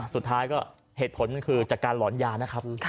สุดท้ายก็เหตุผลคือจากการหลอนยานะครับ